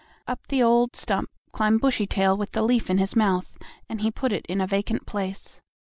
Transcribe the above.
Up the old stump climbed Bushytail with the leaf in his mouth, and he put it in a vacant place.